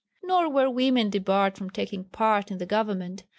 Nor were women debarred from taking part in the government.